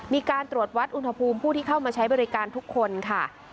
มีการตรวจวัดอุณหภูมิผู้ที่เข้ามาใช้บริการทุกคนค่ะ